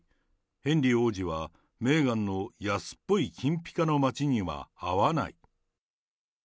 ヘンリー王子は、メーガンの安っぽい金ぴかの町には合わない。